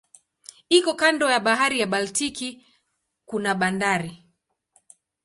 Iko kando ya bahari ya Baltiki kuna bandari.